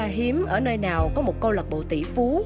hiếm ở nơi nào có một câu lạc bộ tỷ phú